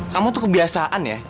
kamu tuh kebiasaan ya